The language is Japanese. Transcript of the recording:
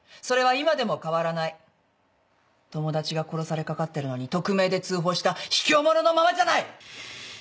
友達が殺されかかってるのに匿名で通報したひきょう者のままじゃない！」